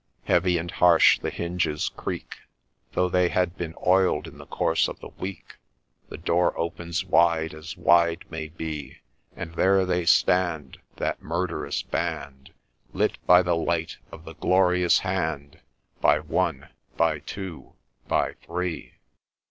Heavy and harsh the hinges creak, Though they had been oil'd in the course of the week, The door opens wide as wide may be, And there they stand, That murderous band, Lit by the light of the GLORIOUS HAND, By one !— by two !— by three